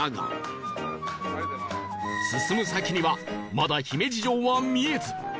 進む先にはまだ姫路城は見えず